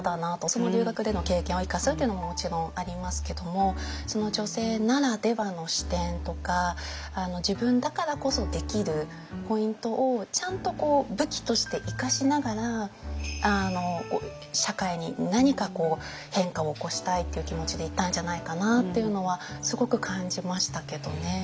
その留学での経験を生かすっていうのももちろんありますけども女性ならではの視点とか自分だからこそできるポイントをちゃんと武器として生かしながら社会に何か変化を起こしたいっていう気持ちでいたんじゃないかなっていうのはすごく感じましたけどね。